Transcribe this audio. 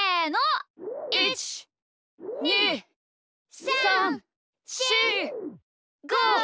１２３４５。